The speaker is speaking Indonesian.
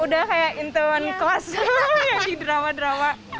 udah kayak intern class yang di drama drama